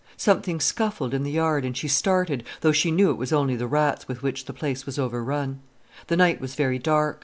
Something scuffled in the yard, and she started, though she knew it was only the rats with which the place was overrun. The night was very dark.